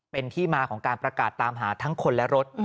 เป็นที่มาของการประกาศตามหาทั้งคนและรถ